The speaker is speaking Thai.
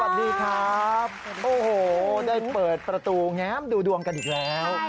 โอ้โหได้เปิดประตูง้ำดูดวงกันอีกแล้ว